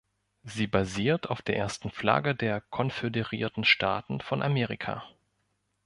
Sie basiert auf der ersten Flagge der Konföderierten Staaten von Amerika.